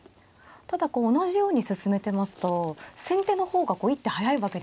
ただ同じように進めてますと先手の方が一手早いわけですよね。